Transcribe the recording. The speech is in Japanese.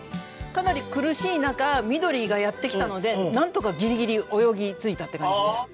かなり苦しい中ミドリがやってきたのでなんとかギリギリ泳ぎ着いたって感じで。